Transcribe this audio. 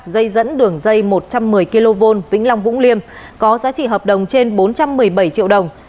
dây dẫn đường dây một trăm một mươi kv vĩnh long vũng liêm có giá trị hợp đồng trên bốn trăm một mươi bảy triệu đồng